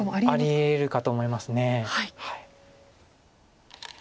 ありえるかと思います。